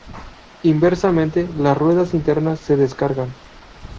Inversamente, las ruedas internas se descargan.